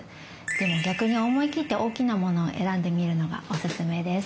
でも逆に思いきって大きなものを選んでみるのがおすすめです。